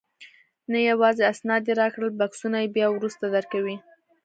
نه، یوازې اسناد یې راکړل، بکسونه بیا وروسته درکوي.